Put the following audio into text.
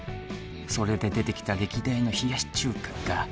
それで出てきた歴代の冷やし中華が